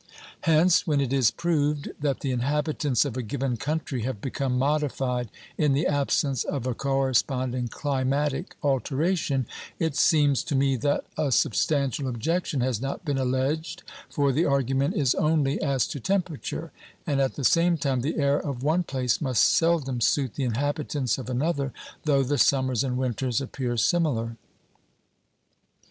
Hence, when it is proved that the inhabitants of a given country have become modified in the absence of a corre sponding climatic alteration, it seems to me that a sub stantial objection has not been alleged, for the argument is only as to temperature, and at the same time the air of one place must seldom suit the inhabitants of another, thoueh the summers and winters appear similar.